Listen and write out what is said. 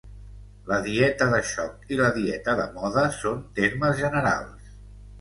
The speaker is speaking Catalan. La dieta de xoc i la dieta de moda són termes generals.